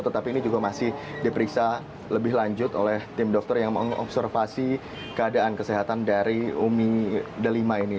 tetapi ini juga masih diperiksa lebih lanjut oleh tim dokter yang mengobservasi keadaan kesehatan dari umi delima ini